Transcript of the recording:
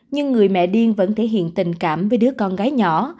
nhưng người mẹ điên vẫn thể hiện tình cảm với đứa con gái nhỏ